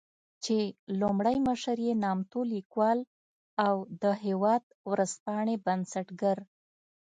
چې لومړی مشر يې نامتو ليکوال او د "هېواد" ورځپاڼې بنسټګر